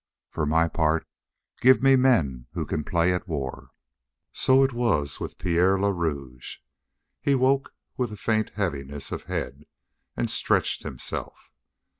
For my part, give me men who can play at war." So it was with Pierre le Rouge. He woke with a faint heaviness of head, and stretched himself.